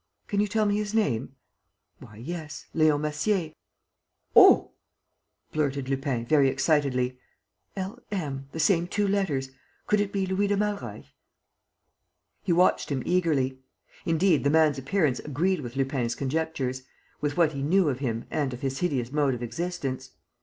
"Can you tell me his name?" "Why, yes ... Leon Massier." "Oh!" blurted Lupin, very excitedly. "L. M. ... the same two letters ... could it be Louis de Malreich?" He watched him eagerly. Indeed, the man's appearance agreed with Lupin's conjectures, with what he knew of him and of his hideous mode of existence.